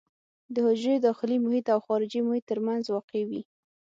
د حجرې داخلي محیط او خارجي محیط ترمنځ واقع وي.